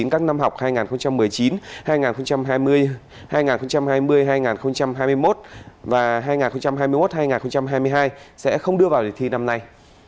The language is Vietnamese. các năm học hai nghìn một mươi chín hai nghìn hai mươi hai nghìn hai mươi một và hai nghìn hai mươi một hai nghìn hai mươi hai sẽ không đưa vào đề thi năm nay